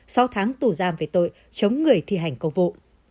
sau tháng tù giam về tội chống người thi hành công vụ